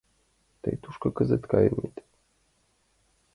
— Тый тушко кызыт кайынет?